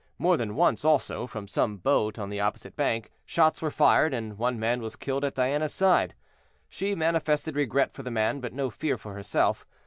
More than once also, from some boat on the opposite bank, shots were fired, and one man was killed at Diana's side. She manifested regret for the man, but no fear for herself.